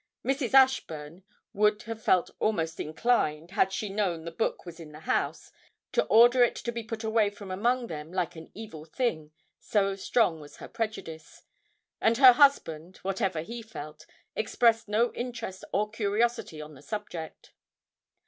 Mrs. Ashburn would have felt almost inclined, had she known the book was in the house, to order it to be put away from among them like an evil thing, so strong was her prejudice; and her husband, whatever he felt, expressed no interest or curiosity on the subject.